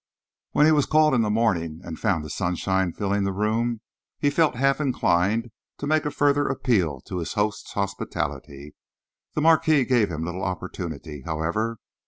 When he was called in the morning and found the sunshine filling the room, he felt half inclined to make a further appeal to his host's hospitality. The Marquis gave him little opportunity, however.